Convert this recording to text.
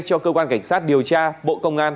cho cơ quan cảnh sát điều tra bộ công an